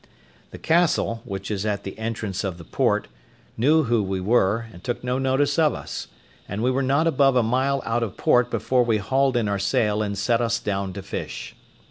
The castle, which is at the entrance of the port, knew who we were, and took no notice of us; and we were not above a mile out of the port before we hauled in our sail and set us down to fish.